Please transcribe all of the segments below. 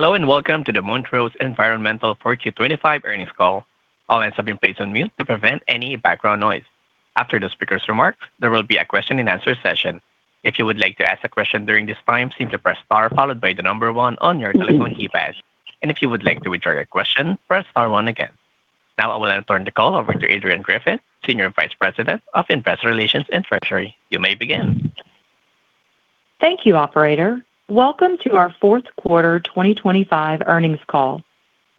Hello, welcome to the Montrose Environmental Fourth Q 25 Earnings Call. All lines have been placed on mute to prevent any background noise. After the speaker's remarks, there will be a question and answer session. If you would like to ask a question during this time, simply press star followed by one on your telephone keypad. If you would like to withdraw your question, press star one again. I will then turn the call over to Adrianne Griffin, Senior Vice President of Investor Relations and Treasury. You may begin. Thank you, operator. Welcome to our Fourth Quarter 2025 Earnings Call.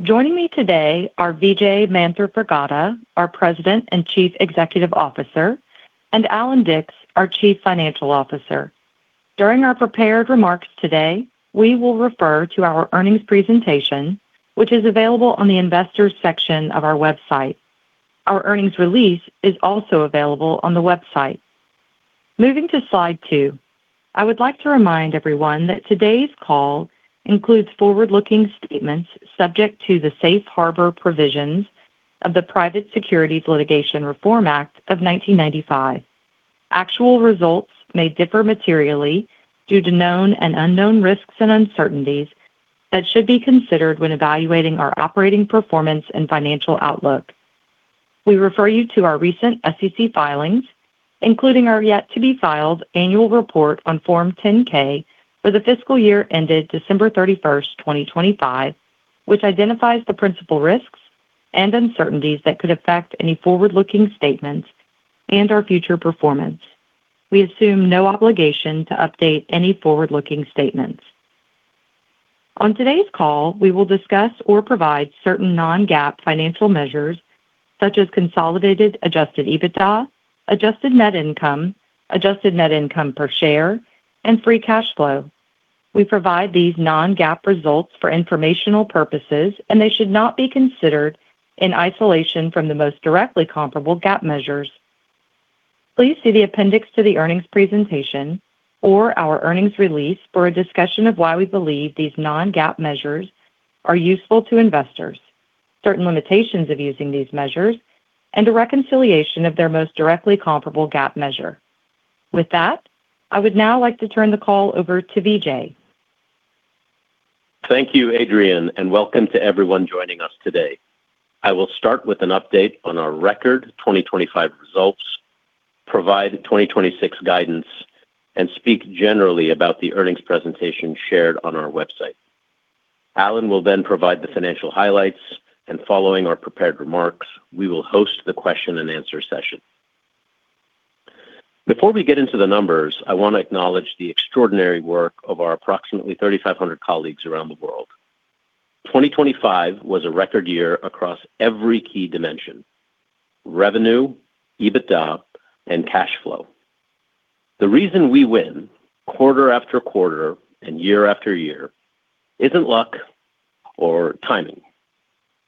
Joining me today are Vijay Manthripragada, our President and Chief Executive Officer, and Allan Dicks, our Chief Financial Officer. During our prepared remarks today, we will refer to our earnings presentation, which is available on the investors section of our website. Our earnings release is also available on the website. Moving to slide two, I would like to remind everyone that today's call includes forward-looking statements subject to the safe harbor provisions of the Private Securities Litigation Reform Act of 1995. Actual results may differ materially due to known and unknown risks and uncertainties that should be considered when evaluating our operating performance and financial outlook. We refer you to our recent SEC filings, including our yet to be filed annual report on Form 10-K for the fiscal year ended December 31st, 2025, which identifies the principal risks and uncertainties that could affect any forward-looking statements and our future performance. We assume no obligation to update any forward-looking statements. On today's call, we will discuss or provide certain non-GAAP financial measures, such as consolidated adjusted EBITDA, adjusted net income, adjusted net income per share, and free cash flow. They should not be considered in isolation from the most directly comparable GAAP measures. Please see the appendix to the earnings presentation or our earnings release for a discussion of why we believe these non-GAAP measures are useful to investors, certain limitations of using these measures, and a reconciliation of their most directly comparable GAAP measure. With that, I would now like to turn the call over to Vijay. Thank you, Adrianne. Welcome to everyone joining us today. I will start with an update on our record 2025 results, provide 2026 guidance, and speak generally about the earnings presentation shared on our website. Allan will provide the financial highlights, and following our prepared remarks, we will host the question and answer session. Before we get into the numbers, I want to acknowledge the extraordinary work of our approximately 3,500 colleagues around the world. 2025 was a record year across every key dimension: revenue, EBITDA, and cash flow. The reason we win quarter after quarter and year after year isn't luck or timing.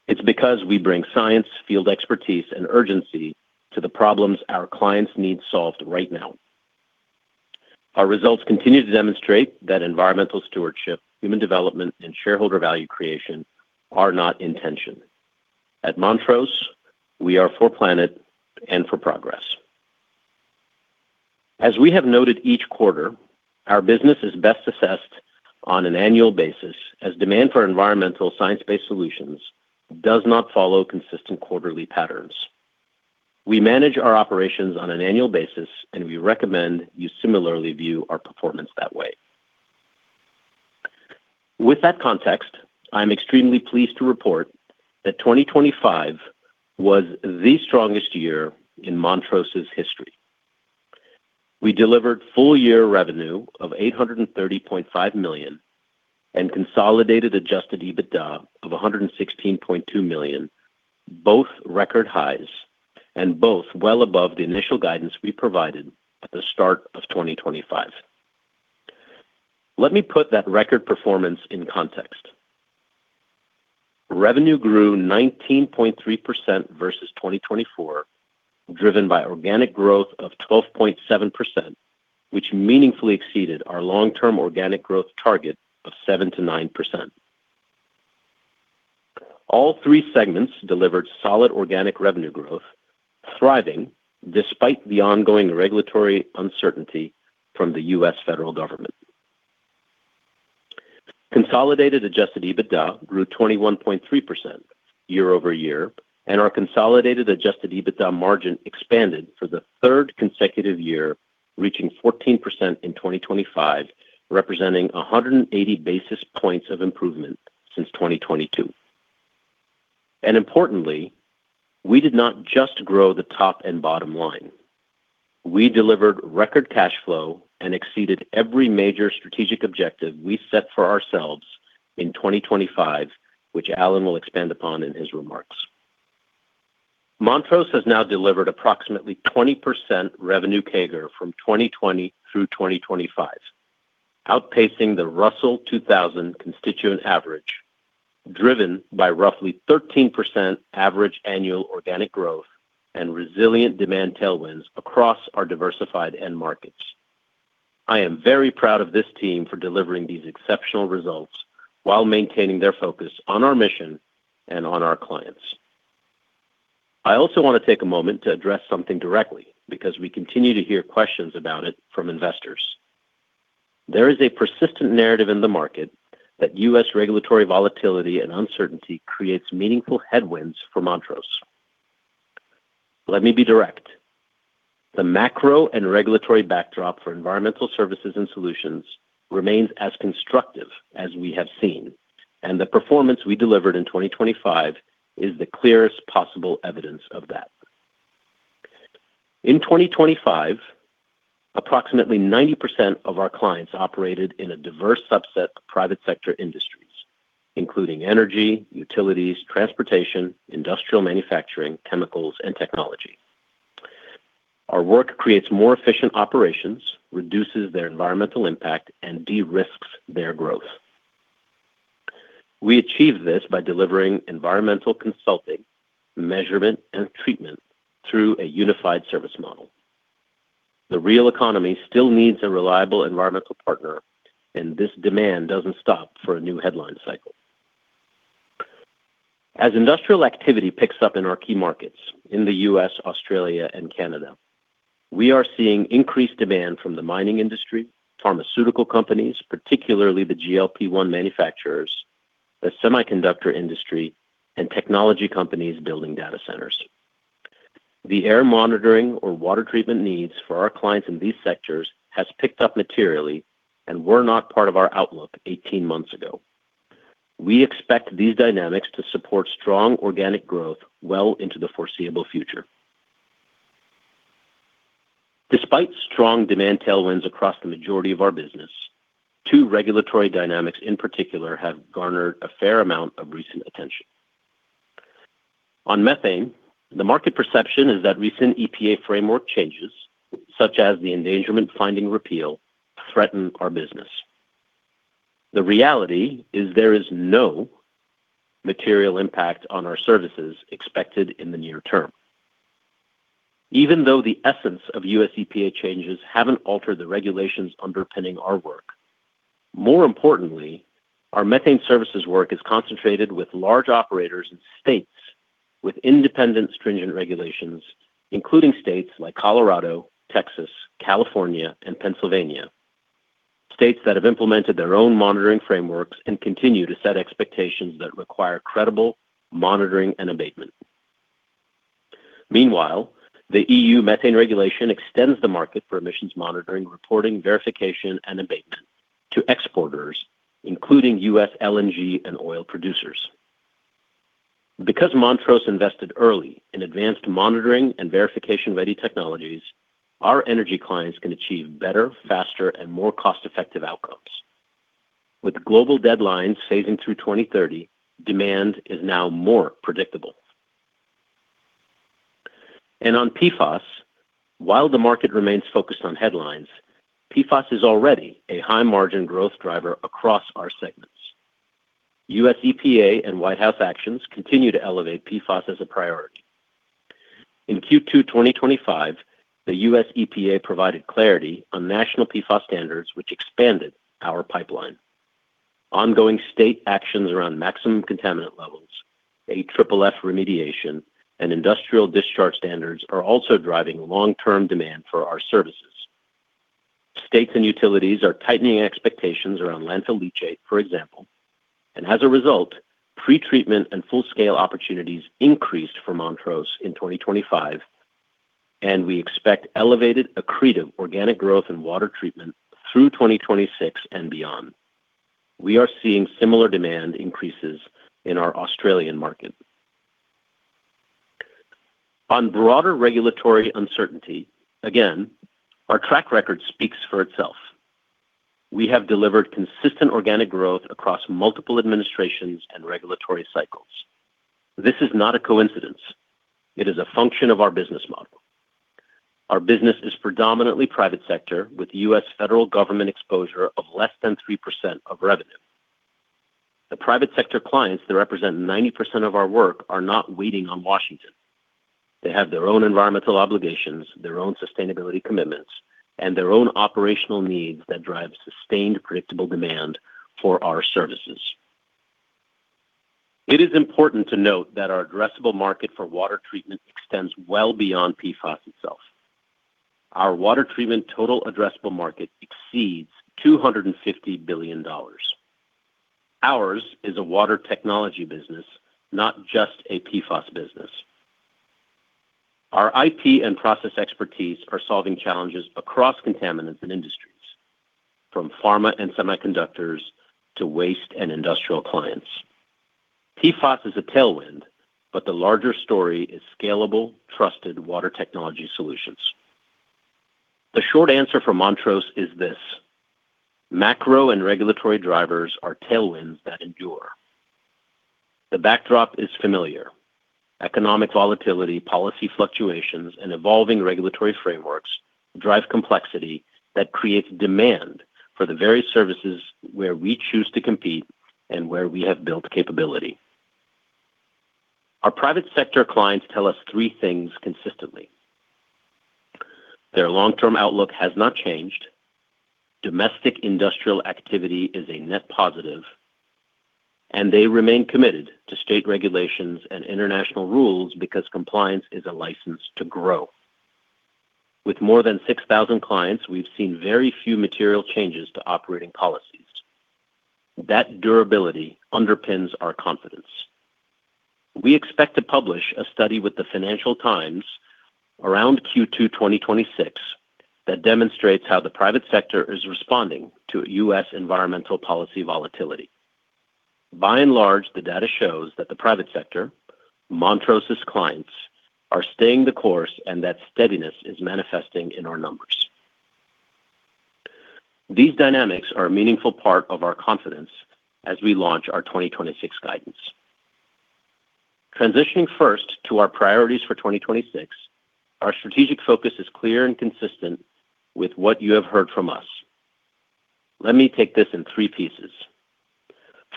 It's because we bring science, field expertise, and urgency to the problems our clients need solved right now. Our results continue to demonstrate that environmental stewardship, human development, and shareholder value creation are not intention. At Montrose, we are for planet and for progress. As we have noted each quarter, our business is best assessed on an annual basis, as demand for environmental science-based solutions does not follow consistent quarterly patterns. We manage our operations on an annual basis. We recommend you similarly view our performance that way. With that context, I'm extremely pleased to report that 2025 was the strongest year in Montrose's history. We delivered full year revenue of $830.5 million and consolidated adjusted EBITDA of $116.2 million, both record highs and both well above the initial guidance we provided at the start of 2025. Let me put that record performance in context. Revenue grew 19.3% versus 2024, driven by organic growth of 12.7%, which meaningfully exceeded our long-term organic growth target of 7%-9%. All three segments delivered solid organic revenue growth, thriving despite the ongoing regulatory uncertainty from the U.S. federal government. Consolidated adjusted EBITDA grew 21.3% year-over-year, and our consolidated adjusted EBITDA margin expanded for the third consecutive year, reaching 14% in 2025, representing 180 basis points of improvement since 2022. Importantly, we did not just grow the top and bottom line. We delivered record cash flow and exceeded every major strategic objective we set for ourselves in 2025, which Allan will expand upon in his remarks. Montrose has now delivered approximately 20% revenue CAGR from 2020 through 2025, outpacing the Russell 2000 constituent average, driven by roughly 13% average annual organic growth and resilient demand tailwinds across our diversified end markets. I am very proud of this team for delivering these exceptional results while maintaining their focus on our mission and on our clients. I also want to take a moment to address something directly, because we continue to hear questions about it from investors. There is a persistent narrative in the market that U.S. regulatory volatility and uncertainty creates meaningful headwinds for Montrose. Let me be direct. The macro and regulatory backdrop for environmental services and solutions remains as constructive as we have seen, the performance we delivered in 2025 is the clearest possible evidence of that. In 2025, approximately 90% of our clients operated in a diverse subset of private sector industries, including energy, utilities, transportation, industrial manufacturing, chemicals, and technology. Our work creates more efficient operations, reduces their environmental impact, and de-risks their growth. We achieve this by delivering environmental consulting, measurement, and treatment through a unified service model. The real economy still needs a reliable environmental partner. This demand doesn't stop for a new headline cycle. As industrial activity picks up in our key markets in the U.S., Australia, and Canada, we are seeing increased demand from the mining industry, pharmaceutical companies, particularly the GLP-1 manufacturers, the semiconductor industry, and technology companies building data centers. The air monitoring or water treatment needs for our clients in these sectors has picked up materially and were not part of our outlook 18 months ago. We expect these dynamics to support strong organic growth well into the foreseeable future. Despite strong demand tailwinds across the majority of our business, two regulatory dynamics in particular have garnered a fair amount of recent attention. On methane, the market perception is that recent EPA framework changes, such as the Endangerment Finding repeal, threaten our business. The reality is there is no material impact on our services expected in the near term, even though the essence of U.S. EPA changes haven't altered the regulations underpinning our work. More importantly, our methane services work is concentrated with large operators in states with independent, stringent regulations, including states like Colorado, Texas, California, and Pennsylvania. States that have implemented their own monitoring frameworks and continue to set expectations that require credible monitoring and abatement. Meanwhile, the EU Methane Regulation extends the market for emissions monitoring, reporting, verification, and abatement to exporters, including U.S. LNG and oil producers. Because Montrose invested early in advanced monitoring and verification-ready technologies, our energy clients can achieve better, faster, and more cost-effective outcomes. With global deadlines phasing through 2030, demand is now more predictable. On PFAS, while the market remains focused on headlines, PFAS is already a high-margin growth driver across our segments. U.S. EPA and White House actions continue to elevate PFAS as a priority. In Q2 2025, the U.S. EPA provided clarity on national PFAS standards, which expanded our pipeline. Ongoing state actions around Maximum Contaminant Levels, AFFF remediation, and industrial discharge standards are also driving long-term demand for our services. States and utilities are tightening expectations around landfill leachate, for example, as a result, pretreatment and full-scale opportunities increased for Montrose in 2025, and we expect elevated accretive organic growth in water treatment through 2026 and beyond. We are seeing similar demand increases in our Australian market. On broader regulatory uncertainty, again, our track record speaks for itself. We have delivered consistent organic growth across multiple administrations and regulatory cycles. This is not a coincidence. It is a function of our business model. Our business is predominantly private sector, with U.S. federal government exposure of less than 3% of revenue. The private sector clients that represent 90% of our work are not waiting on Washington. They have their own environmental obligations, their own sustainability commitments, and their own operational needs that drive sustained, predictable demand for our services. It is important to note that our addressable market for water treatment extends well beyond PFAS itself. Our water treatment total addressable market exceeds $250 billion. Ours is a water technology business, not just a PFAS business. Our IP and process expertise are solving challenges across contaminants and industries, from pharma and semiconductors to waste and industrial clients. PFAS is a tailwind, but the larger story is scalable, trusted water technology solutions. The short answer for Montrose is this: macro and regulatory drivers are tailwinds that endure. The backdrop is familiar. Economic volatility, policy fluctuations, and evolving regulatory frameworks drive complexity that creates demand for the very services where we choose to compete and where we have built capability. Our private sector clients tell us three things consistently. Their long-term outlook has not changed. Domestic industrial activity is a net positive, and they remain committed to state regulations and international rules because compliance is a license to grow. With more than 6,000 clients, we've seen very few material changes to operating policies. That durability underpins our confidence. We expect to publish a study with the Financial Times around Q2 2026, that demonstrates how the private sector is responding to U.S. environmental policy volatility. By and large, the data shows that the private sector, Montrose's clients, are staying the course, and that steadiness is manifesting in our numbers. These dynamics are a meaningful part of our confidence as we launch our 2026 guidance. Transitioning first to our priorities for 2026, our strategic focus is clear and consistent with what you have heard from us. Let me take this in three pieces.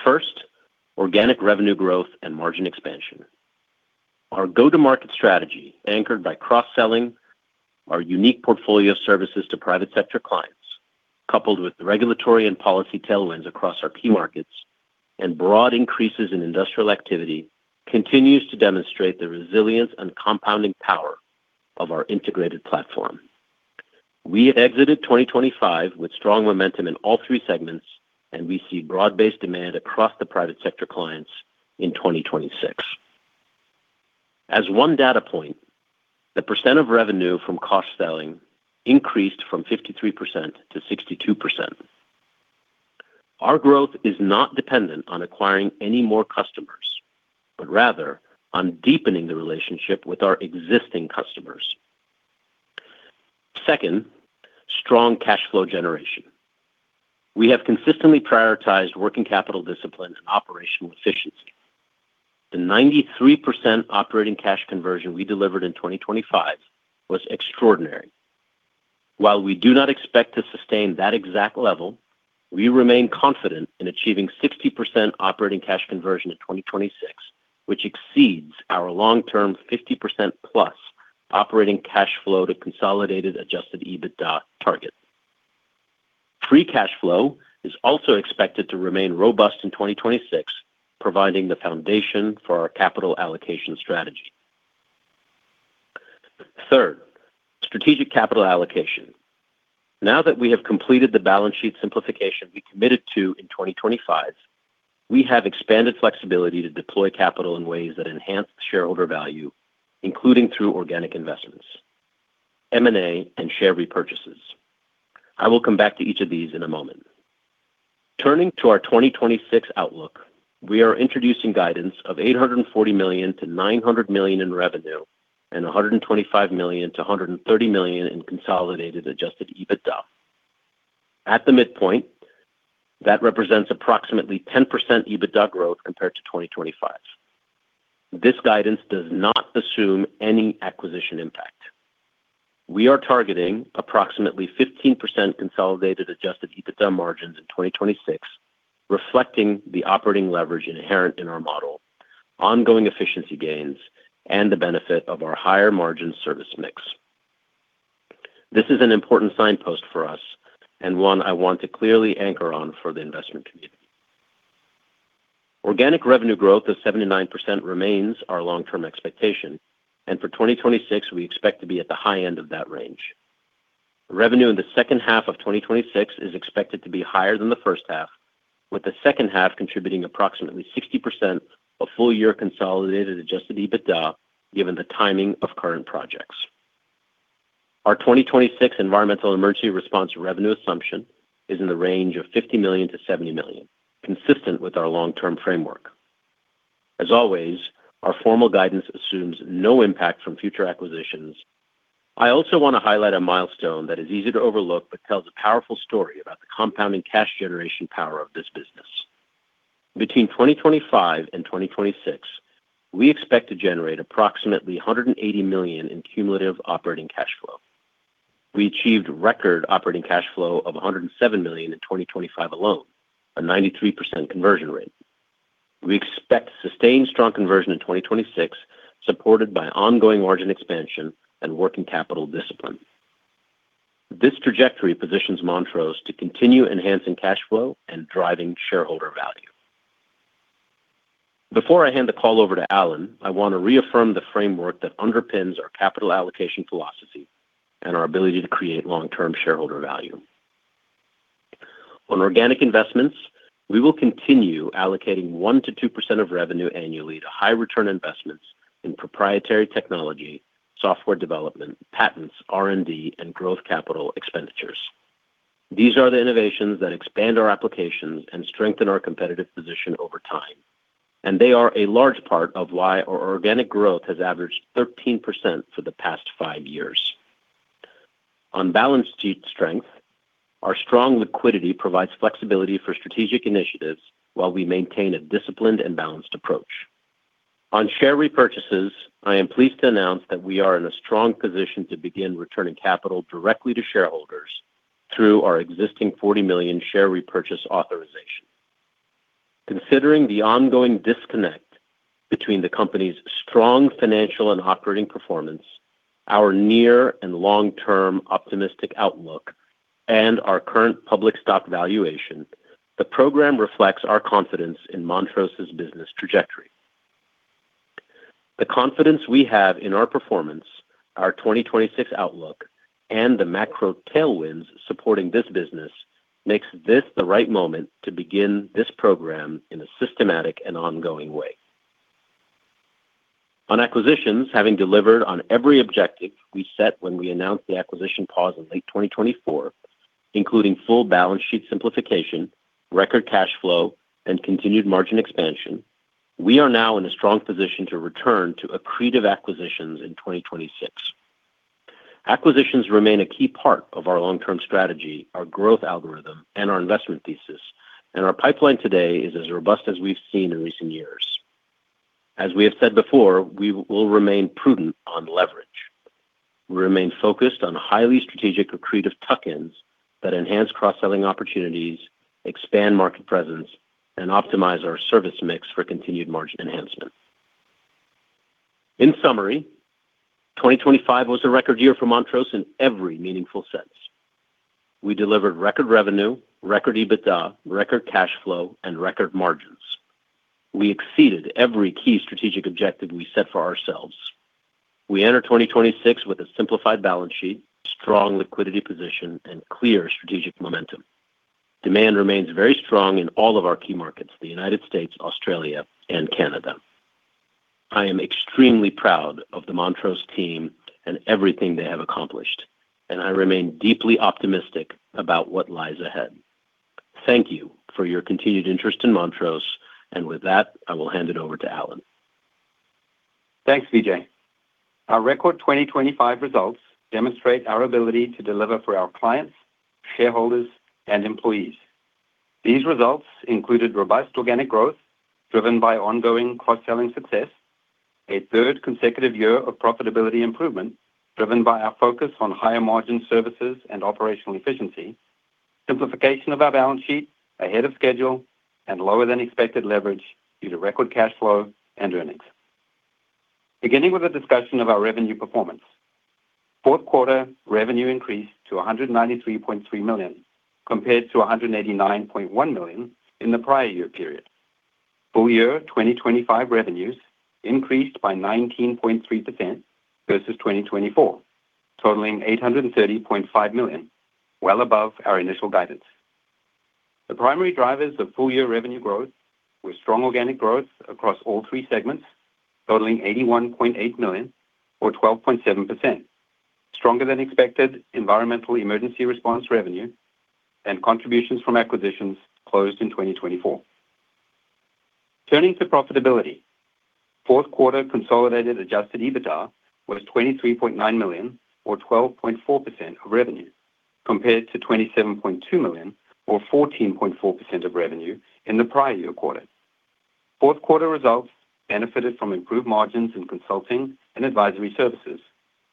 First, organic revenue growth and margin expansion. Our go-to-market strategy, anchored by cross-selling our unique portfolio of services to private sector clients, coupled with the regulatory and policy tailwinds across our key markets and broad increases in industrial activity, continues to demonstrate the resilience and compounding power of our integrated platform. We have exited 2025 with strong momentum in all three segments. We see broad-based demand across the private sector clients in 2026. As one data point, the percent of revenue from cross-selling increased from 53% to 62%. Our growth is not dependent on acquiring any more customers, but rather on deepening the relationship with our existing customers. Second, strong cash flow generation. We have consistently prioritized working capital discipline and operational efficiency. The 93% operating cash conversion we delivered in 2025 was extraordinary. While we do not expect to sustain that exact level, we remain confident in achieving 60% operating cash conversion in 2026, which exceeds our long-term 50%+ operating cash flow to consolidated adjusted EBITDA target. Free cash flow is also expected to remain robust in 2026, providing the foundation for our capital allocation strategy. Third, strategic capital allocation. Now that we have completed the balance sheet simplification we committed to in 2025, we have expanded flexibility to deploy capital in ways that enhance shareholder value, including through organic investments, M&A, and share repurchases. I will come back to each of these in a moment. Turning to our 2026 outlook, we are introducing guidance of $840 million-$900 million in revenue and $125 million-$130 million in consolidated adjusted EBITDA. At the midpoint, that represents approximately 10% EBITDA growth compared to 2025. This guidance does not assume any acquisition impact. We are targeting approximately 15% consolidated adjusted EBITDA margins in 2026, reflecting the operating leverage inherent in our model, ongoing efficiency gains, and the benefit of our higher-margin service mix. This is an important signpost for us and one I want to clearly anchor on for the investment community. Organic revenue growth of 79% remains our long-term expectation, and for 2026, we expect to be at the high end of that range. Revenue in the second half of 2026 is expected to be higher than the first half, with the second half contributing approximately 60% of full-year consolidated adjusted EBITDA, given the timing of current projects. Our 2026 environmental emergency response revenue assumption is in the range of $50 million-$70 million, consistent with our long-term framework. As always, our formal guidance assumes no impact from future acquisitions. I also want to highlight a milestone that is easy to overlook but tells a powerful story about the compounding cash generation power of this business. Between 2025 and 2026, we expect to generate approximately $180 million in cumulative operating cash flow. We achieved record operating cash flow of $107 million in 2025 alone, a 93% conversion rate. We expect sustained strong conversion in 2026, supported by ongoing margin expansion and working capital discipline. This trajectory positions Montrose to continue enhancing cash flow and driving shareholder value. Before I hand the call over to Allan, I want to reaffirm the framework that underpins our capital allocation philosophy and our ability to create long-term shareholder value. On organic investments, we will continue allocating 1%-2% of revenue annually to high-return investments in proprietary technology, software development, patents, R&D, and growth capital expenditures. These are the innovations that expand our applications and strengthen our competitive position over time, and they are a large part of why our organic growth has averaged 13% for the past five years. On balance sheet strength, our strong liquidity provides flexibility for strategic initiatives while we maintain a disciplined and balanced approach. On share repurchases, I am pleased to announce that we are in a strong position to begin returning capital directly to shareholders through our existing $40 million share repurchase authorization. Considering the ongoing disconnect between the company's strong financial and operating performance, our near and long-term optimistic outlook, and our current public stock valuation, the program reflects our confidence in Montrose's business trajectory. The confidence we have in our performance, our 2026 outlook, and the macro tailwinds supporting this business, makes this the right moment to begin this program in a systematic and ongoing way. On acquisitions, having delivered on every objective we set when we announced the acquisition pause in late 2024, including full balance sheet simplification, record cash flow, and continued margin expansion, we are now in a strong position to return to accretive acquisitions in 2026. Acquisitions remain a key part of our long-term strategy, our growth algorithm, and our investment thesis. Our pipeline today is as robust as we've seen in recent years. As we have said before, we will remain prudent on leverage. We remain focused on highly strategic accretive tuck-ins that enhance cross-selling opportunities, expand market presence, and optimize our service mix for continued margin enhancement. In summary, 2025 was a record year for Montrose in every meaningful sense. We delivered record revenue, record EBITDA, record cash flow, and record margins. We exceeded every key strategic objective we set for ourselves. We enter 2026 with a simplified balance sheet, strong liquidity position, and clear strategic momentum. Demand remains very strong in all of our key markets: the United States, Australia, and Canada. I am extremely proud of the Montrose team and everything they have accomplished. I remain deeply optimistic about what lies ahead. Thank you for your continued interest in Montrose. With that, I will hand it over to Allan. Thanks, Vijay. Our record 2025 results demonstrate our ability to deliver for our clients, shareholders, and employees. These results included robust organic growth driven by ongoing cross-selling success, a third consecutive year of profitability improvement driven by our focus on higher-margin services and operational efficiency, simplification of our balance sheet ahead of schedule, and lower-than-expected leverage due to record cash flow and earnings. Beginning with a discussion of our revenue performance. Fourth quarter revenue increased to $193.3 million, compared to $189.1 million in the prior year period. Full year 2025 revenues increased by 19.3% versus 2024, totaling $830.5 million, well above our initial guidance. The primary drivers of full-year revenue growth were strong organic growth across all three segments, totaling $81.8 million or 12.7%, stronger than expected environmental emergency response revenue, and contributions from acquisitions closed in 2024. Turning to profitability. Fourth quarter consolidated adjusted EBITDA was $23.9 million or 12.4% of revenue, compared to $27.2 million or 14.4% of revenue in the prior year quarter. Fourth quarter results benefited from improved margins in consulting and advisory services,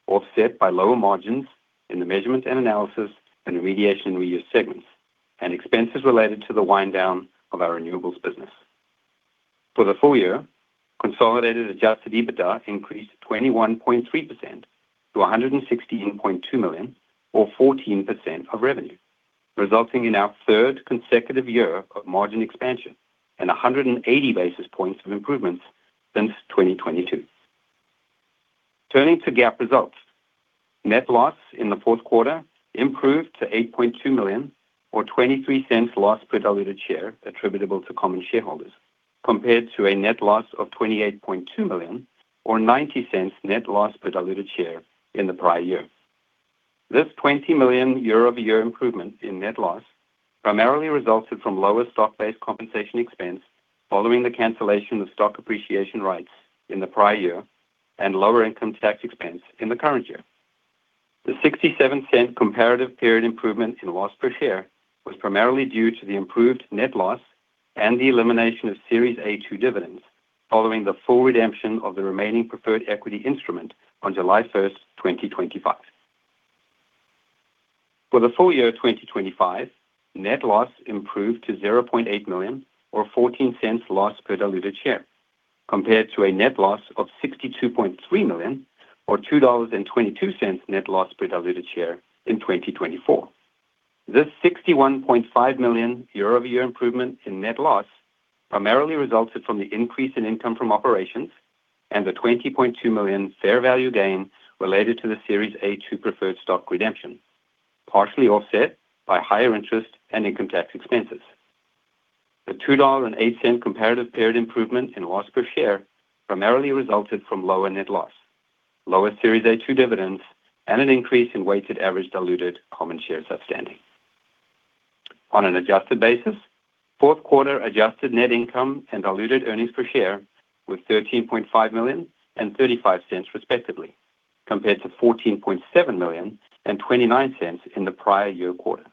offset by lower margins in the Measurement and Analysis and Remediation Reuse segments, and expenses related to the wind down of our renewables business. For the full year, consolidated adjusted EBITDA increased 21.3% to $116.2 million or 14% of revenue, resulting in our third consecutive year of margin expansion and 180 basis points of improvement since 2022. Turning to GAAP results. Net loss in the fourth quarter improved to $8.2 million or $0.23 loss per diluted share attributable to common shareholders, compared to a net loss of $28.2 million or $0.90 net loss per diluted share in the prior year. This $20 million year-over-year improvement in net loss primarily resulted from lower stock-based compensation expense following the cancellation of stock appreciation rights in the prior year and lower income tax expense in the current year. The $0.67 comparative period improvement in loss per share was primarily due to the improved net loss and the elimination of Series A-2 dividends following the full redemption of the remaining preferred equity instrument on July 1st, 2025. For the full year of 2025, net loss improved to $0.8 million or $0.14 loss per diluted share, compared to a net loss of $62.3 million or $2.22 net loss per diluted share in 2024. This $61.5 million year-over-year improvement in net loss primarily resulted from the increase in income from operations and the $20.2 million fair value gain related to the Series A-2 preferred stock redemption, partially offset by higher interest and income tax expenses. The $2.08 comparative period improvement in loss per share primarily resulted from lower net loss, lower Series A-2 dividends, and an increase in weighted average diluted common shares outstanding. On an adjusted basis, fourth quarter adjusted net income and diluted earnings per share were $13.5 million and $0.35, respectively, compared to $14.7 million and $0.29 in the prior year quarter.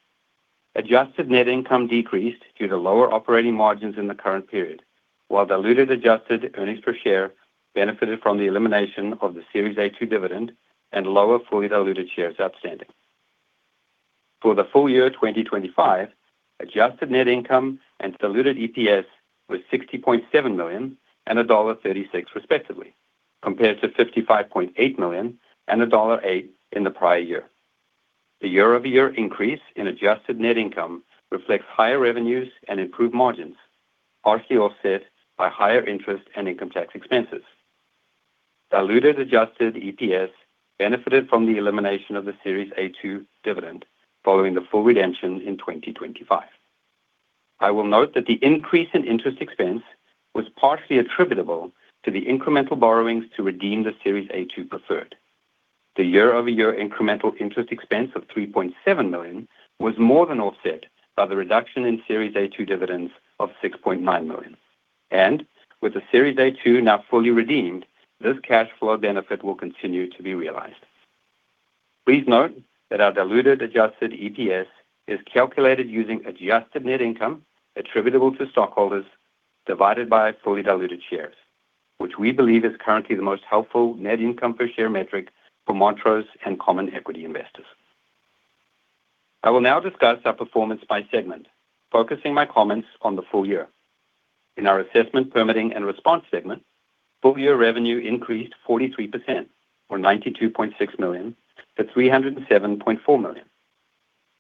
Adjusted net income decreased due to lower operating margins in the current period, while diluted adjusted earnings per share benefited from the elimination of the Series A-2 dividend and lower fully diluted shares outstanding. For the full year 2025, adjusted net income and Diluted EPS was $60.7 million and $1.36 respectively, compared to $55.8 million and $1.08 in the prior year. The year-over-year increase in adjusted net income reflects higher revenues and improved margins, partially offset by higher interest and income tax expenses. Diluted adjusted EPS benefited from the elimination of the Series A-2 dividend following the full redemption in 2025. I will note that the increase in interest expense was partially attributable to the incremental borrowings to redeem the Series A-2 preferred. The year-over-year incremental interest expense of $3.7 million was more than offset by the reduction in Series A-2 dividends of $6.9 million. With the Series A-2 now fully redeemed, this cash flow benefit will continue to be realized. Please note that our diluted adjusted EPS is calculated using adjusted net income attributable to stockholders divided by fully diluted shares, which we believe is currently the most helpful net income per share metric for Montrose and common equity investors. I will now discuss our performance by segment, focusing my comments on the full year. In our Assessment, Permitting and Response segment, full-year revenue increased 43% or $92.6 million to $307.4 million.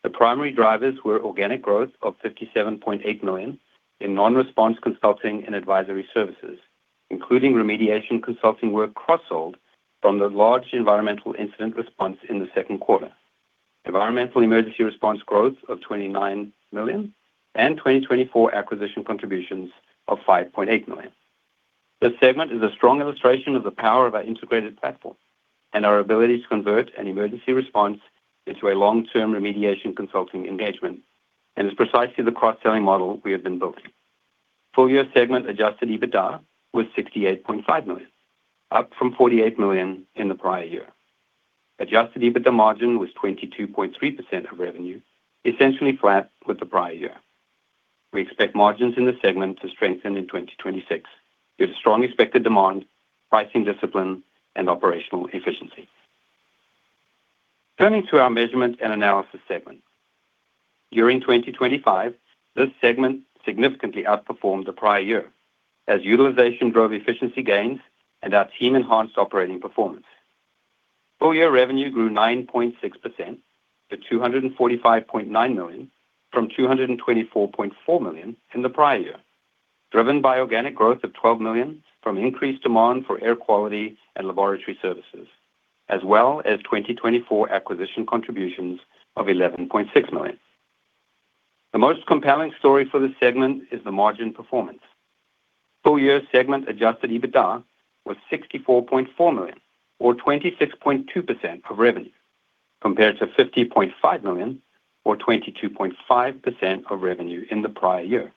The primary drivers were organic growth of $57.8 million in non-response consulting and advisory services, including remediation consulting work cross-sold from the large environmental incident response in the second quarter, environmental emergency response growth of $29 million, and 2024 acquisition contributions of $5.8 million. This segment is a strong illustration of the power of our integrated platform and our ability to convert an emergency response into a long-term remediation consulting engagement, is precisely the cross-selling model we have been building. Full year segment adjusted EBITDA was $68.5 million, up from $48 million in the prior year. Adjusted EBITDA margin was 22.3% of revenue, essentially flat with the prior year. We expect margins in this segment to strengthen in 2026, with strong expected demand, pricing discipline, and operational efficiency. Turning to our Measurement and Analysis segment. During 2025, this segment significantly outperformed the prior year as utilization drove efficiency gains and our team enhanced operating performance. Full year revenue grew 9.6% to $245.9 million from $224.4 million in the prior year, driven by organic growth of $12 million from increased demand for air quality and laboratory services, as well as 2024 acquisition contributions of $11.6 million. The most compelling story for this segment is the margin performance. Full year segment adjusted EBITDA was $64.4 million or 26.2% of revenue, compared to $50.5 million or 22.5% of revenue in the prior year,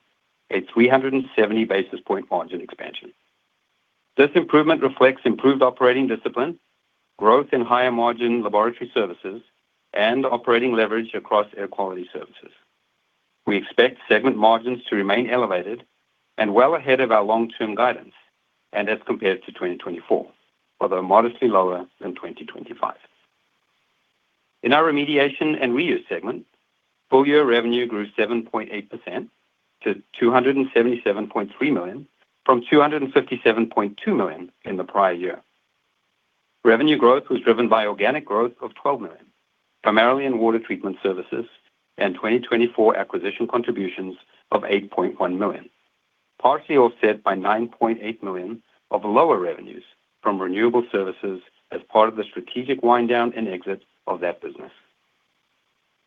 a 370 basis point margin expansion. This improvement reflects improved operating discipline, growth in higher-margin laboratory services, and operating leverage across air quality services. We expect segment margins to remain elevated and well ahead of our long-term guidance, and as compared to 2024, although modestly lower than 2025. In our Remediation and Reuse segment, full year revenue grew 7.8% to $277.3 million from $257.2 million in the prior year. Revenue growth was driven by organic growth of $12 million, primarily in water treatment services and 2024 acquisition contributions of $8.1 million, partially offset by $9.8 million of lower revenues from renewable services as part of the strategic wind down and exit of that business.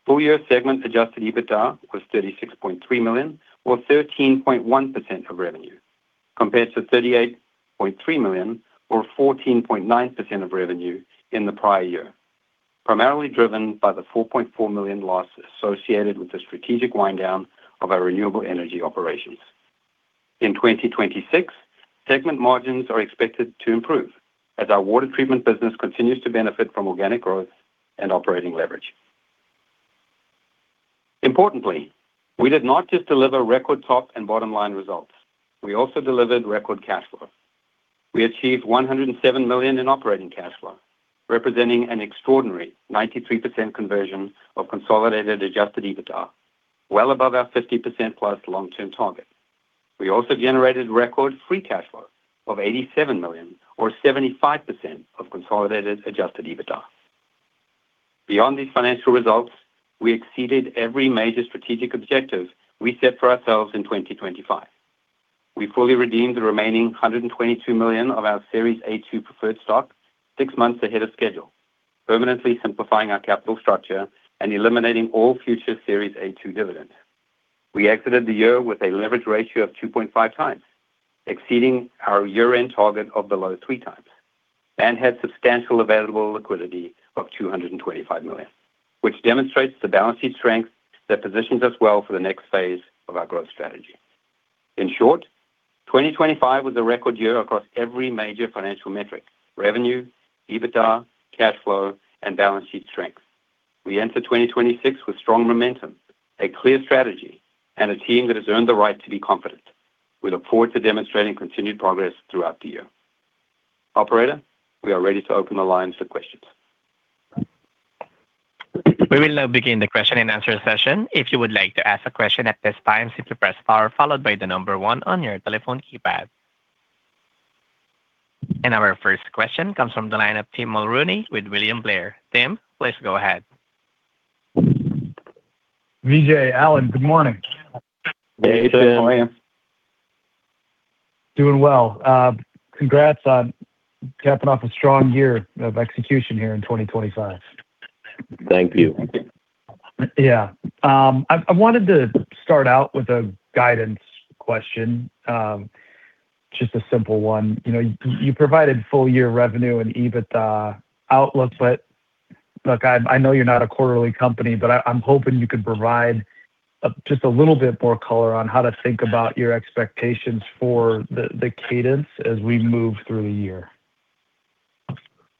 Full year segment adjusted EBITDA was $36.3 million or 13.1% of revenue, compared to $38.3 million or 14.9% of revenue in the prior year, primarily driven by the $4.4 million loss associated with the strategic wind down of our renewable energy operations. In 2026, segment margins are expected to improve as our water treatment business continues to benefit from organic growth and operating leverage. Importantly, we did not just deliver record top and bottom-line results, we also delivered record cash flow. We achieved $107 million in operating cash flow, representing an extraordinary 93% conversion of consolidated adjusted EBITDA, well above our 50%+ long-term target. We also generated record free cash flow of $87 million, or 75% of consolidated adjusted EBITDA. Beyond these financial results, we exceeded every major strategic objective we set for ourselves in 2025. We fully redeemed the remaining $122 million of our Series A-2 preferred stock six months ahead of schedule, permanently simplifying our capital structure and eliminating all future Series A-2 dividends. We exited the year with a leverage ratio of 2.5x, exceeding our year-end target of below 3x, and had substantial available liquidity of $225 million, which demonstrates the balance sheet strength that positions us well for the next phase of our growth strategy. In short, 2025 was a record year across every major financial metric: revenue, EBITDA, cash flow, and balance sheet strength. We enter 2026 with strong momentum, a clear strategy, and a team that has earned the right to be confident. We look forward to demonstrating continued progress throughout the year. Operator, we are ready to open the lines for questions. We will now begin the question and answer session. If you would like to ask a question at this time, simply press star followed by 1 on your telephone keypad. Our first question comes from the line of Tim Mulrooney with William Blair. Tim, please go ahead. Vijay, Allan, good morning. Hey, Tim. Good morning. Doing well. Congrats on capping off a strong year of execution here in 2025. Thank you. Thank you. Yeah. I wanted to start out with a guidance question. Just a simple one. You know, you provided full year revenue and EBITDA outlook. Look, I know you're not a quarterly company, but I'm hoping you could provide, just a little bit more color on how to think about your expectations for the cadence as we move through the year.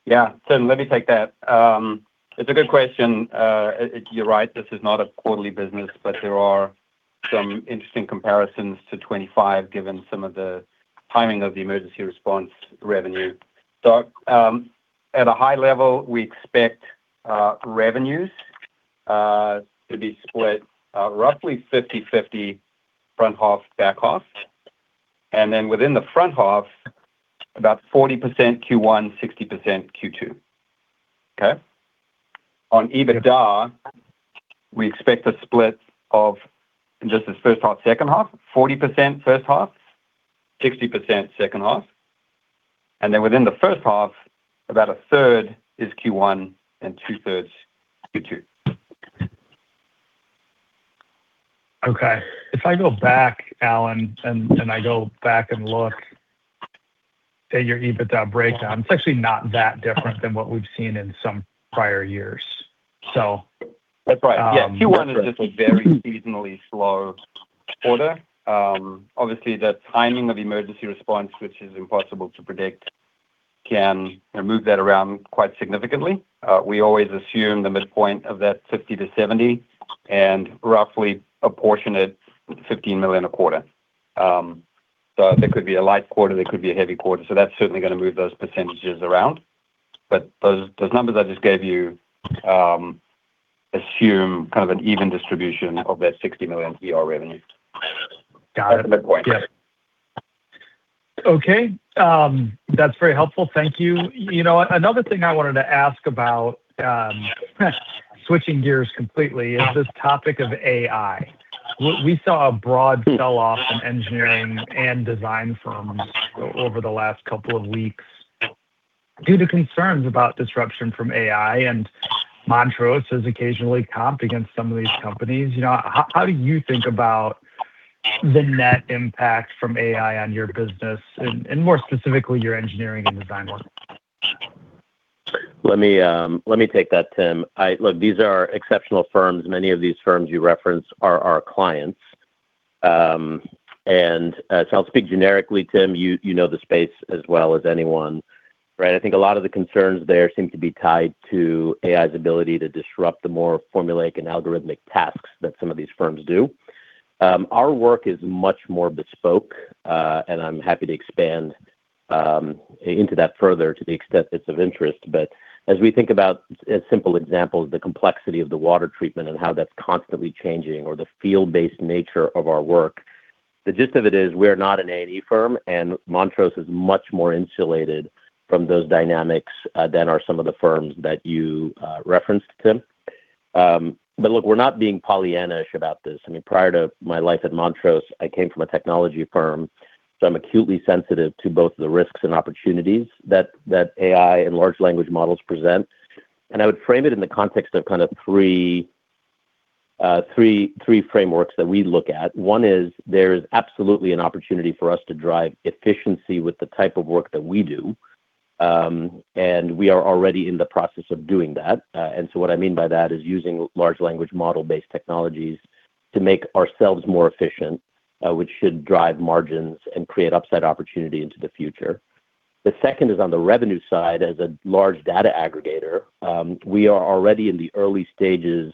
Yeah. Tim, let me take that. It's a good question. You're right, this is not a quarterly business, but there are some interesting comparisons to 25, given some of the timing of the emergency response revenue. At a high level, we expect revenues to be split roughly 50/50 front half, back half. Within the front half, about 40% Q1, 60% Q2. Okay. On EBITDA, we expect a split of just this first half, second half, 40% first half, 60% second half. Within the first half, about a third is Q1 and two-thirds Q2. Okay. If I go back, Allan, and I go back and look at your EBITDA breakdown, it's actually not that different than what we've seen in some prior years. That's right. Um- Q1 is just a very seasonally slow quarter. Obviously, the timing of emergency response, which is impossible to predict, can move that around quite significantly. We always assume the midpoint of that $50 million-$70 million and roughly apportion it $15 million a quarter. There could be a light quarter, there could be a heavy quarter, so that's certainly gonna move those percentages around. But those numbers I just gave you assume kind of an even distribution of that $60 million ER revenue. Got it. At that point. Yes. Okay, that's very helpful. Thank you. You know what? Another thing I wanted to ask about, switching gears completely, is this topic of AI. We saw a broad sell-off in engineering and design firms over the last couple of weeks due to concerns about disruption from AI, and Montrose is occasionally comped against some of these companies. You know, how do you think about the net impact from AI on your business and more specifically, your engineering and design work? Let me take that, Tim. Look, these are exceptional firms. Many of these firms you referenced are our clients. I'll speak generically, Tim, you know the space as well as anyone, right? I think a lot of the concerns there seem to be tied to AI's ability to disrupt the more formulaic and algorithmic tasks that some of these firms do. Our work is much more bespoke, and I'm happy to expand into that further to the extent it's of interest. As we think about a simple example, the complexity of the water treatment and how that's constantly changing, or the field-based nature of our work, the gist of it is we're not an A&E firm, and Montrose is much more insulated from those dynamics than are some of the firms that you referenced, Tim. Look, we're not being Pollyanna-ish about this. I mean, prior to my life at Montrose, I came from a technology firm, so I'm acutely sensitive to both the risks and opportunities that AI and large language models present. I would frame it in the context of kind of three frameworks that we look at. One is there's absolutely an opportunity for us to drive efficiency with the type of work that we do, and we are already in the process of doing that. What I mean by that is using large language, model-based technologies to make ourselves more efficient, which should drive margins and create upside opportunity into the future. The second is on the revenue side as a large data aggregator. We are already in the early stages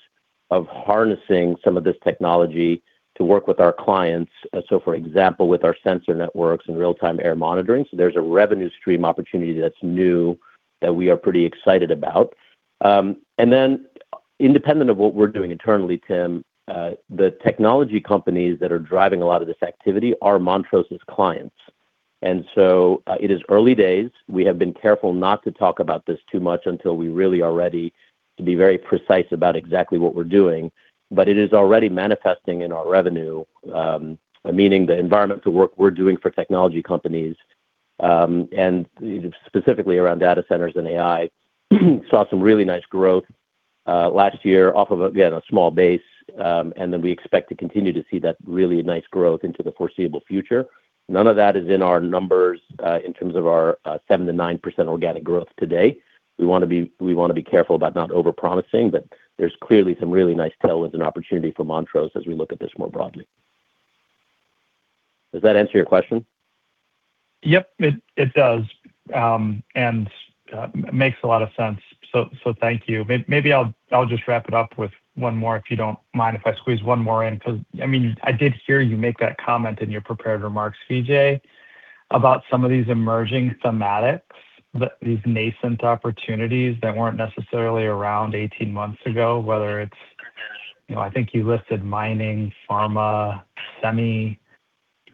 of harnessing some of this technology to work with our clients. For example, with our sensor networks and real-time air monitoring, so there's a revenue stream opportunity that's new that we are pretty excited about. Independent of what we're doing internally, Tim, the technology companies that are driving a lot of this activity are Montrose's clients, and so, it is early days. We have been careful not to talk about this too much until we really are ready to be very precise about exactly what we're doing. It is already manifesting in our revenue. Meaning the environmental work we're doing for technology companies, and specifically around data centers and AI, saw some really nice growth last year off of, again, a small base, and then we expect to continue to see that really nice growth into the foreseeable future. None of that is in our numbers in terms of our 7% to 9% organic growth today. We want to be careful about not over-promising, but there's clearly some really nice tailwinds and opportunity for Montrose as we look at this more broadly. Does that answer your question? Yep, it does. It makes a lot of sense. Thank you. Maybe I'll just wrap it up with one more, if you don't mind if I squeeze one more in, 'cause, I mean, I did hear you make that comment in your prepared remarks, Vijay, about some of these emerging thematics, but these nascent opportunities that weren't necessarily around 18 months ago, whether it's, you know, I think you listed mining, pharma, semi,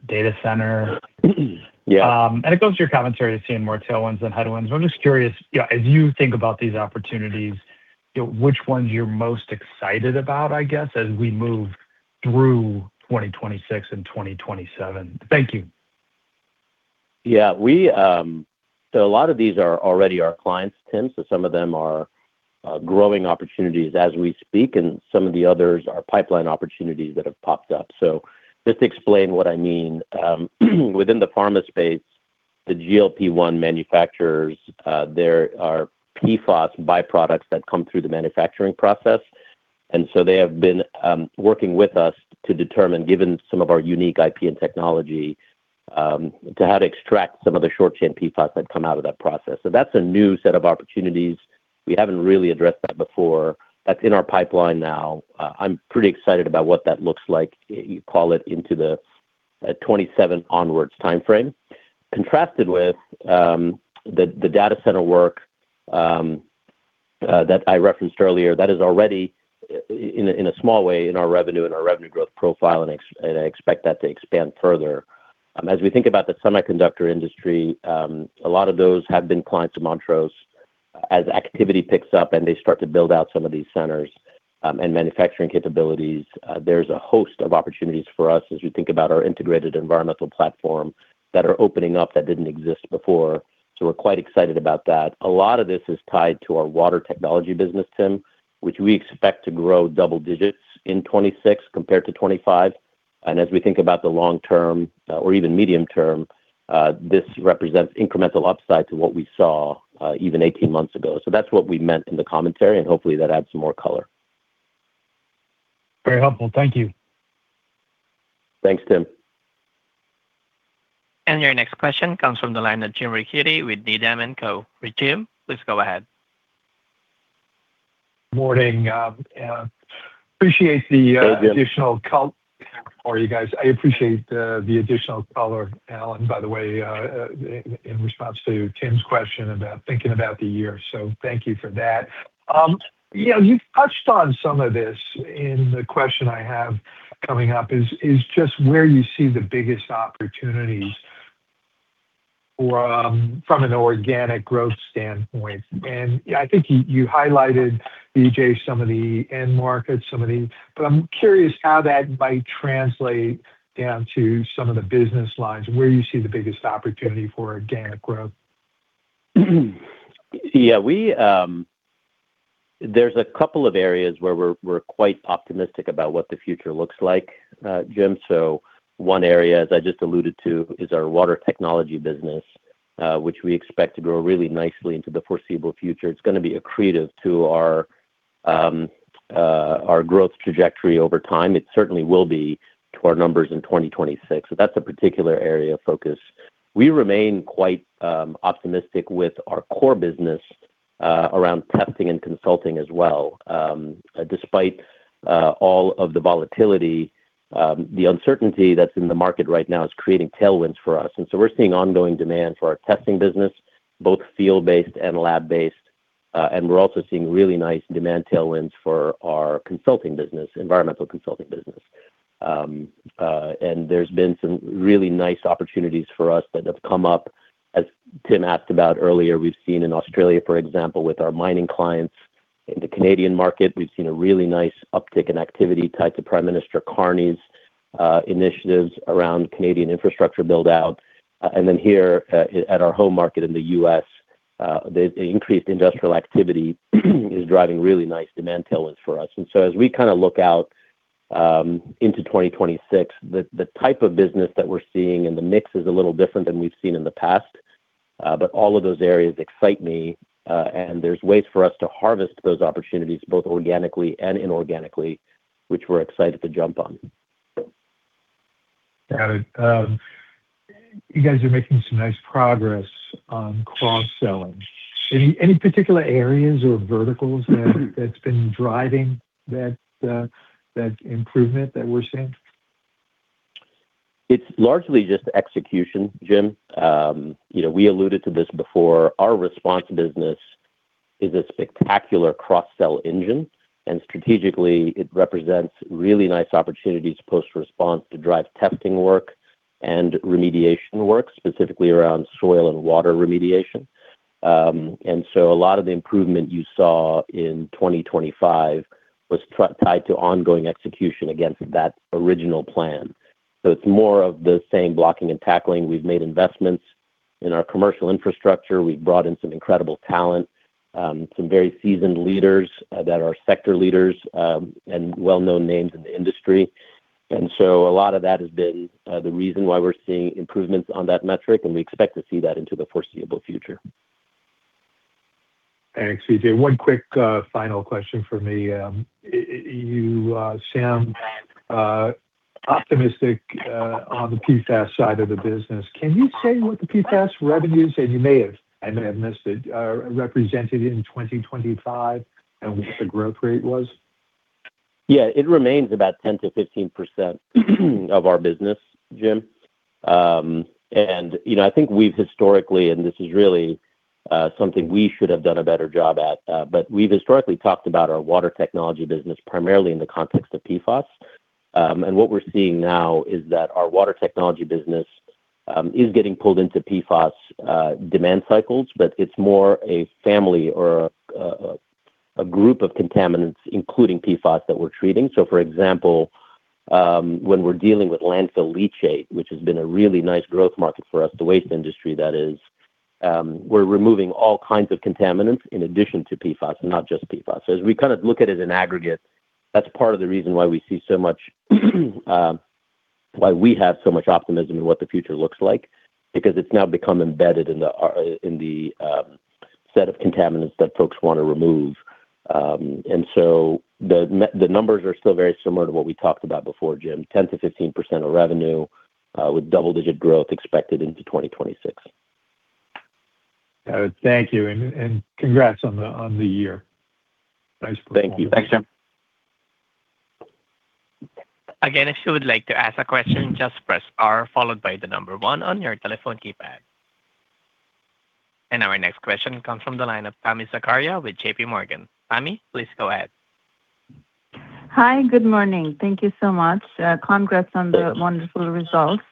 data center. Yeah. It goes to your commentary to seeing more tailwinds than headwinds. I'm just curious, yeah, as you think about these opportunities, which ones you're most excited about, I guess, as we move through 2026 and 2027? Thank you. Yeah, we, a lot of these are already our clients, Tim, so some of them are growing opportunities as we speak, and some of the others are pipeline opportunities that have popped up. Just to explain what I mean, within the pharma space, the GLP-1 manufacturers, there are PFAS byproducts that come through the manufacturing process, and so they have been working with us to determine, given some of our unique IP and technology, to how to extract some of the short-chain PFAS that come out of that process. That's a new set of opportunities. We haven't really addressed that before. That's in our pipeline now. I'm pretty excited about what that looks like, you call it, into the 2027 onwards timeframe. Contrasted with the data center work that I referenced earlier, that is already in a small way, in our revenue and our revenue growth profile, and I expect that to expand further. As we think about the semiconductor industry, a lot of those have been clients of Montrose. As activity picks up and they start to build out some of these centers, and manufacturing capabilities, there's a host of opportunities for us as we think about our integrated environmental platform that are opening up that didn't exist before. We're quite excited about that. A lot of this is tied to our water technology business, Tim, which we expect to grow double digits in 2026 compared to 2025. As we think about the long term, or even medium term, this represents incremental upside to what we saw, even 18 months ago. That's what we meant in the commentary, and hopefully, that adds some more color. Very helpful. Thank you. Thanks, Tim. Your next question comes from the line of Jim Ricchiuti with Needham & Company. Jim, please go ahead. Morning, appreciate the. Hey, Jim. additional color for you guys. I appreciate the additional color, Allan, by the way, in response to Tim's question about thinking about the year. Thank you for that. Yeah, you've touched on some of this in the question I have coming up, is just where you see the biggest opportunities from an organic growth standpoint. Yeah, I think you highlighted, Vijay, some of the end markets, some of the. I'm curious how that might translate down to some of the business lines, where you see the biggest opportunity for organic growth. There's a couple of areas where we're quite optimistic about what the future looks like, Jim. One area, as I just alluded to, is our water technology business, which we expect to grow really nicely into the foreseeable future. It's gonna be accretive to our growth trajectory over time. It certainly will be to our numbers in 2026. That's a particular area of focus. We remain quite optimistic with our core business, around testing and consulting as well. Despite all of the volatility, the uncertainty that's in the market right now is creating tailwinds for us. We're seeing ongoing demand for our testing business, both field-based and lab-based, and we're also seeing really nice demand tailwinds for our consulting business, environmental consulting business. There's been some really nice opportunities for us that have come up. As Tim asked about earlier, we've seen in Australia, for example, with our mining clients. In the Canadian market, we've seen a really nice uptick in activity tied to Prime Minister Carney's initiatives around Canadian infrastructure build-out. Then here, at our home market in the U.S., the increased industrial activity is driving really nice demand tailwinds for us. As we kinda look out, into 2026, the type of business that we're seeing and the mix is a little different than we've seen in the past, all of those areas excite me, and there's ways for us to harvest those opportunities, both organically and inorganically, which we're excited to jump on. Got it, you guys are making some nice progress on cross-selling. Any particular areas or verticals that's been driving that improvement that we're seeing? It's largely just execution, Jim. You know, we alluded to this before. Our response business is a spectacular cross-sell engine, and strategically, it represents really nice opportunities post-response to drive testing work and remediation work, specifically around soil and water remediation. A lot of the improvement you saw in 2025 was tied to ongoing execution against that original plan. It's more of the same blocking and tackling. We've made investments in our commercial infrastructure. We've brought in some incredible talent, some very seasoned leaders, that are sector leaders, and well-known names in the industry. A lot of that has been the reason why we're seeing improvements on that metric, and we expect to see that into the foreseeable future. Thanks, Vijay. One quick, final question for me. You sound optimistic on the PFAS side of the business. Can you say what the PFAS revenues, and you may have, I may have missed it, represented in 2025 and what the growth rate was? Yeah, it remains about 10%-15% of our business, Jim. You know, I think we've historically, and this is really something we should have done a better job at, but we've historically talked about our water technology business primarily in the context of PFAS. What we're seeing now is that our water technology business is getting pulled into PFAS demand cycles, but it's more a family or a group of contaminants, including PFAS, that we're treating. For example, when we're dealing with landfill leachate, which has been a really nice growth market for us, the waste industry, that is, we're removing all kinds of contaminants in addition to PFAS, not just PFAS. As we kind of look at it in aggregate, that's part of the reason why we see so much, why we have so much optimism in what the future looks like, because it's now become embedded in the set of contaminants that folks want to remove. The numbers are still very similar to what we talked about before, Jim. 10%-15% of revenue with double-digit growth expected into 2026. Thank you, and congrats on the year. Thank you. Thanks, Jim. Again, if you would like to ask a question, just press R followed by the 1 on your telephone keypad. Our next question comes from the line of Tami Zakaria with JPMorgan. Tami, please go ahead. Hi, good morning. Thank you so much. Congrats on the wonderful results.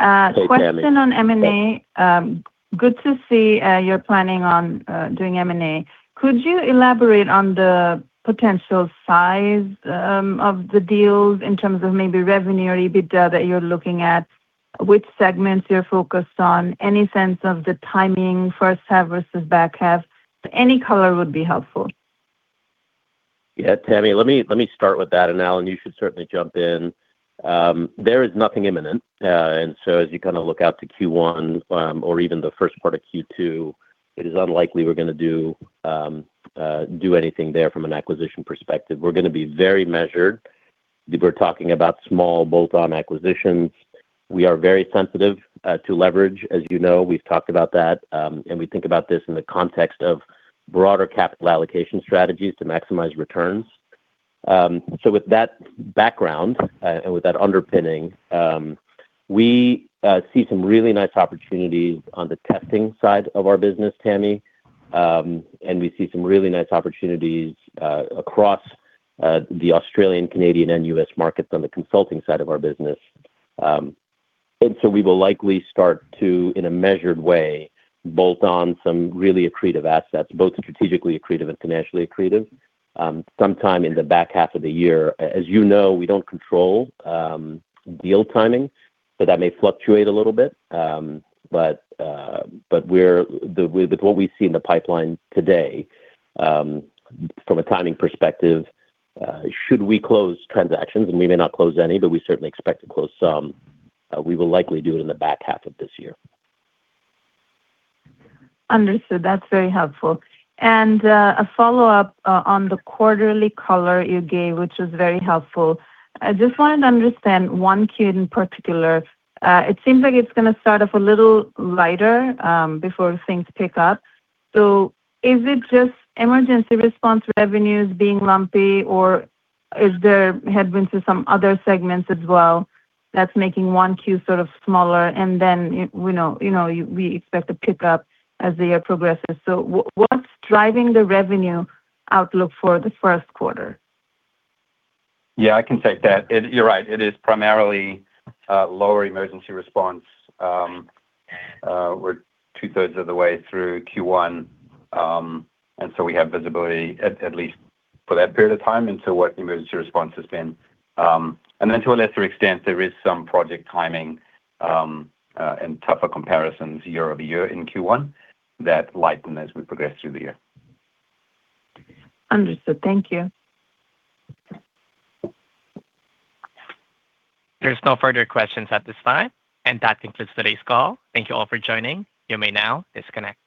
Hey, Tami. Question on M&A. Good to see, you're planning on, doing M&A. Could you elaborate on the potential size, of the deals in terms of maybe revenue or EBITDA that you're looking at? Which segments you're focused on, any sense of the timing for first half versus back half? Any color would be helpful. Yeah, Tami, let me start with that, and, Allan, you should certainly jump in. There is nothing imminent. As you kind of look out to Q1, or even the first part of Q2, it is unlikely we're gonna do anything there from an acquisition perspective. We're gonna be very measured. We're talking about small, bolt-on acquisitions. We are very sensitive to leverage. As you know, we've talked about that, and we think about this in the context of broader capital allocation strategies to maximize returns. With that background, and with that underpinning, we see some really nice opportunities on the testing side of our business, Tami, and we see some really nice opportunities across the Australian, Canadian, and U.S. markets on the consulting side of our business. We will likely start to, in a measured way, bolt on some really accretive assets, both strategically accretive and financially accretive, sometime in the back half of the year. As you know, we don't control, deal timing, so that may fluctuate a little bit. With what we see in the pipeline today, from a timing perspective, should we close transactions, and we may not close any, but we certainly expect to close some, we will likely do it in the back half of this year. Understood. That's very helpful. A follow-up on the quarterly color you gave, which was very helpful. I just want to understand 1Q in particular. It seems like it's going to start off a little lighter before things pick up. Is it just emergency response revenues being lumpy, or is there headwinds to some other segments as well that's making 1Q sort of smaller, and then, we know, you know, we expect a pickup as the year progresses? What's driving the revenue outlook for the first quarter? Yeah, I can take that. You're right. It is primarily, lower emergency response. We're 2/3 of the way through Q1, we have visibility at least for that period of time into what the emergency response has been. To a lesser extent, there is some project timing, and tougher comparisons year-over-year in Q1 that lighten as we progress through the year. Understood. Thank you. There's no further questions at this time, and that concludes today's call. Thank you all for joining. You may now disconnect.